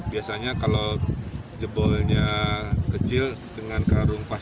biasanya kalau jebolnya kecil dengan karung pasir begini memadai